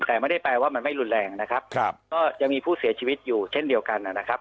แต่ไม่ได้แปลว่ามันไม่รุนแรงนะครับก็ยังมีผู้เสียชีวิตอยู่เช่นเดียวกันนะครับ